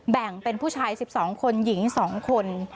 แบ่งเป็นผู้ชาย๑๒คนหญิง๒คน